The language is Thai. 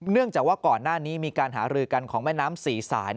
จากว่าก่อนหน้านี้มีการหารือกันของแม่น้ำสี่สาย